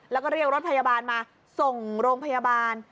แล้วก็เรียกรถพยาบาลมาส่งโรงพยาบาล